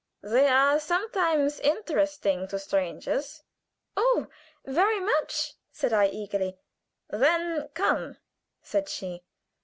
They are sometimes interesting to strangers." "Oh, very much!" I said, eagerly. "Then come," said she.